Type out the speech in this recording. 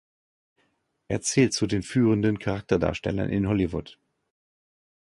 Er zählt zu den führenden Charakterdarstellern in Hollywood.